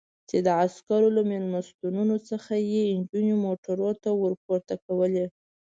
چې د عسکرو له مېلمستونونو څخه یې نجونې موټرونو ته ور پورته کولې.